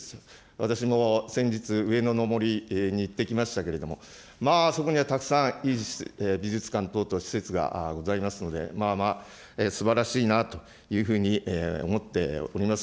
私も先日、上野の森に行ってきましたけれども、まあ、そこにはたくさんいい美術館等々、施設がございますので、まあまあ、すばらしいなというふうに思っております。